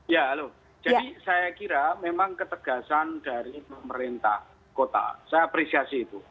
ya halo jadi saya kira memang ketegasan dari pemerintah kota saya apresiasi itu